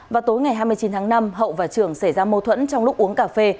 vào tối ngày hai mươi chín tháng năm hậu và trường xảy ra mâu thuẫn trong lúc uống cà phê